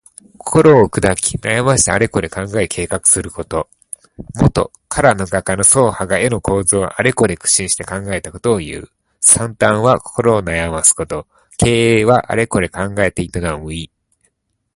心をくだき、悩ましてあれこれ考え計画すること。もと、唐の画家の曹覇が絵の構図をあれこれ苦心して考えたことをいう。「惨憺」は心を悩ますこと。「経営」はあれこれ考えて営む意。